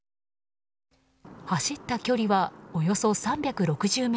走った距離は、およそ３６０ｍ。